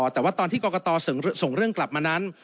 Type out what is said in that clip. แต่ว่าตอนที่กรกตส่งเรื่องกลับมานั้น